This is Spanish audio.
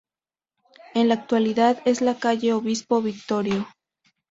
En la actualidad es la calle Obispo Victorio.